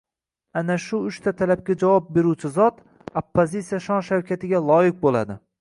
Ana shu uchta talabga javob beruvchi zot... oppozitsiya shon-shavkatiga loyiq bo‘ladi.